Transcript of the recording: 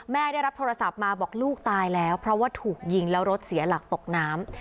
ได้รับโทรศัพท์มาบอกลูกตายแล้วเพราะว่าถูกยิงแล้วรถเสียหลักตกน้ำ